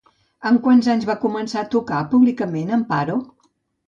Amb quants anys va començar a tocar públicament Amparo?